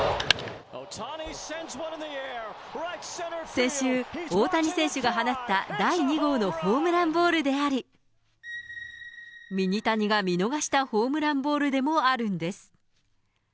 先週、大谷選手が放った第２号のホームランボールであり、ミニタニが見逃したホームランボールでもあるんです。